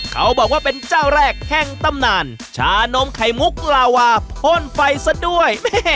เขาบอกว่าเป็นเจ้าแรกแห่งตำนานชานมไข่มุกลาวาพ่นไฟซะด้วย